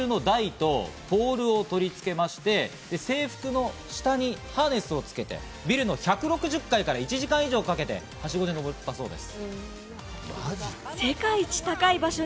頂上には特注の台とポールを取り付けまして制服の下にハーネスをつけてビルの１６０階から１時間以上かけてはしごを登ったそうです。